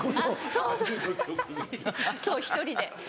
そうそう１人で。